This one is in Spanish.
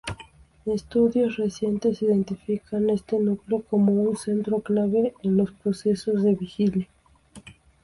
Estudios recientes identifican este núcleo como un centro clave en los procesos de vigilia.